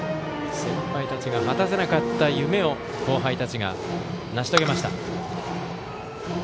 先輩たちが果たせなかった夢を後輩たちが成し遂げました。